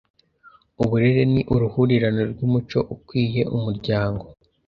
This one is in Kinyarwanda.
Uburere ni uruhurirane rw’umuco ukwiye umuryango